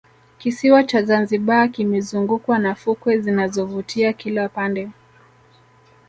kisiwa cha zanzibar kimezungukwa na fukwe zinazovutia kila pande